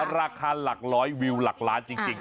ราคาหลักร้อยวิวหลักล้านจริง